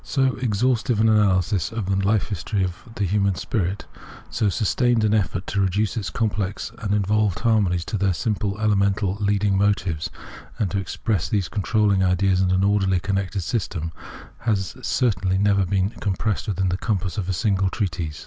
So exhaustive an analysis of the life history of the human spirit, so sustained an effort to reduce its com plex and involved harmonies to their simple, elemental, leading motives, and to express these controlhng ideas in an orderly, connected system, has certainly never been compressed within the compass of a single treatise.